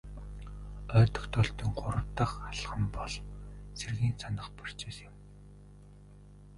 Ой тогтоолтын гурав дахь алхам бол сэргээн санах процесс юм.